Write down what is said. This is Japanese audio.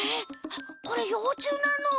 はっこれ幼虫なの？